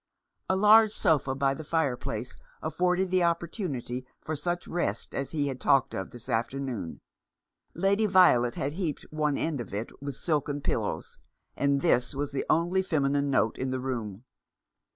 A large sofa by the fireplace afforded the opportunity for such rest as he had talked of this afternoon. Lady Violet had heaped one end of it with silken pillows, and this was the only feminine note in the room.